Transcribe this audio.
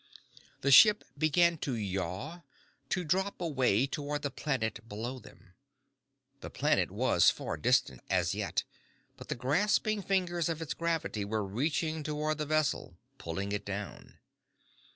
The ship began to yaw, to drop away toward the planet below them. The planet was far distant as yet, but the grasping fingers of its gravity were reaching toward the vessel, pulling it down.